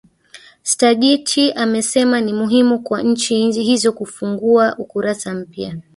stadich amesema ni muhimu kwa nch hizo kufungua ukurasa mpya